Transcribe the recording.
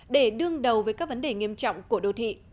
để đương đầu với các vấn đề nghiêm trọng của đô thị